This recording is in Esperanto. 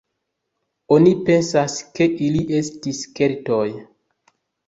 Oni pensas ke ili estis Keltoj.